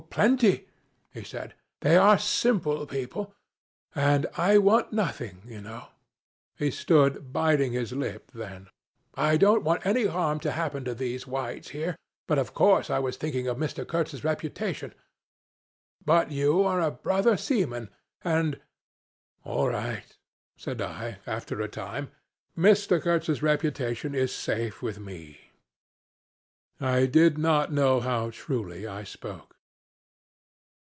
'Plenty,' he said. 'They are simple people and I want nothing, you know.' He stood biting his lips, then: 'I don't want any harm to happen to these whites here, but of course I was thinking of Mr. Kurtz's reputation but you are a brother seaman and ' 'All right,' said I, after a time. 'Mr. Kurtz's reputation is safe with me.' I did not know how truly I spoke.